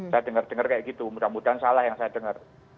saya dengar dengar kayak gitu mudah mudahan salah yang saya dengar